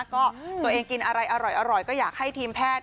ก็ตัวเองกินอะไรอร่อยก็อยากให้ทีมแพทย์